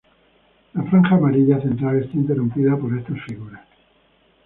La franja amarilla central está interrumpida por estas figuras.